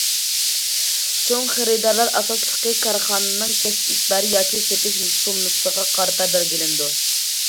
چوڭ خېرىدارلار ئاساسلىقى كارخانىنىڭ كەسىپ مىقدارى ياكى سېتىش سوممىسىغا قارىتا بەلگىلىنىدۇ.